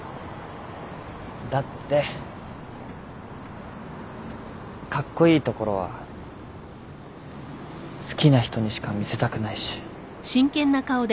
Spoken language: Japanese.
だってカッコイイところは好きな人にしか見せたくないし。